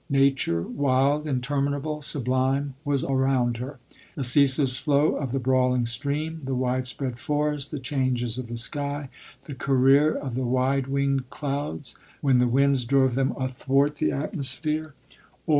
Nature, wild, interminable, sublime, was around her. The ceaseless flow of the brawling stream, the wide spread forest, the changes of the sky, the career of the wide winged clouds, when the winds drove them athwart the atmosphere, or 40 LODORE.